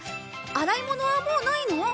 洗い物はもうないの？